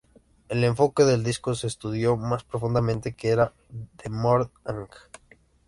El enfoque del disco se estudió más profundamente que para "The Modern Age".